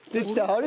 あれ？